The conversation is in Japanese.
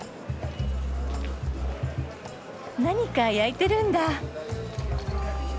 何か焼いてるんだ。